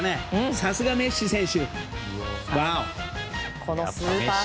さすがメッシ選手！